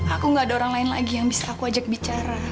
aku gak ada orang lain lagi yang bisa aku ajak bicara